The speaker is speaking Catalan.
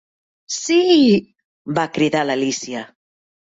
"Sí!", va cridar l'Alícia.